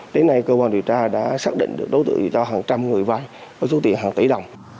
đến nay cơ quan điều tra đã xác định được đối tượng cho hàng trăm người vay với số tiền hàng tỷ đồng